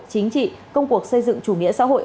chính trị công cuộc xây dựng chủ nghĩa xã hội